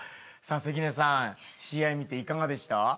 関根さん試合見ていかがでした？